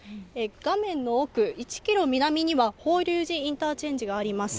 画面の奥、１キロ南には法隆寺インターチェンジがあります。